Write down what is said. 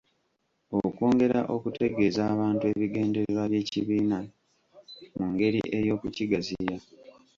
Okwongera okutegeeza abantu ebigendererwa by'ekibiina mu ngeri ey'okukigaziya.